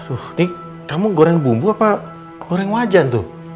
ini kamu goreng bumbu atau goreng wajan